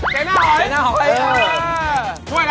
เก๋นหน้าหอย